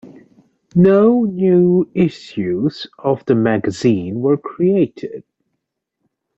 No new issues of the magazine were created.